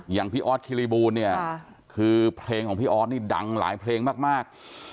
อย่างพี่ออสคิริบูลเนี่ยคือเพลงของพี่ออสนี่ดังหลายเพลงมาก